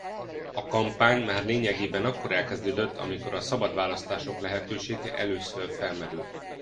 A kampány már lényegében akkor elkezdődött amikor a szabad választások lehetősége először felmerült.